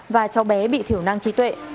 và cháu bé bị thiểu năng trí tuệ